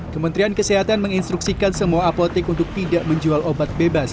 kementerian kesehatan menginstruksikan semua apotek untuk tidak menjual obat bebas